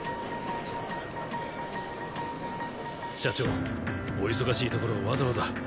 社長お忙しいところわざわざ。